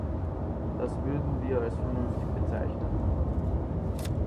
Das würden wir als vernünftig bezeichnen.